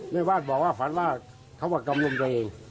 นี่บ้านบอกว่าฝันว่าเขามากำนมตัวเอง